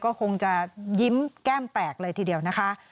ก็คงจะยิ้มแก้มแตกเลยทีเดียวนะคะ